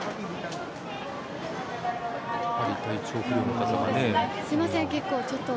体調不良の方がね。